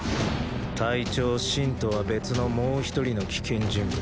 隊長信とは別のもう一人の危険人物